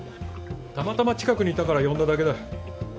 たまたま近くにいたから呼んだだけだ。